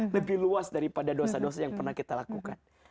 lebih luas daripada dosa dosa yang pernah kita lakukan